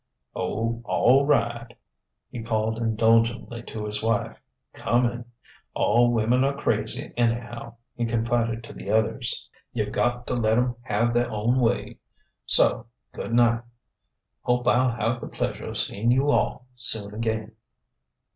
"Oh, all right," he called indulgently to his wife: "coming!... All women are crazy, anyhow," he confided to the others. "You've got to let 'em have their own way. So good night. Hope I'll have the pleasure of seeing you all soon again."